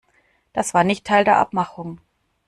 Das war nicht Teil der Abmachung!